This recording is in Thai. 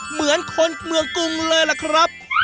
เหมือนคนเมืองกรุงเลยล่ะครับ